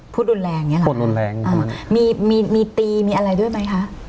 พูดรุนแรงอย่างเงี้เหรอพูดรุนแรงมีมีตีมีอะไรด้วยไหมคะ